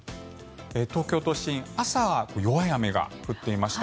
東京都心朝は弱い雨が降っていました。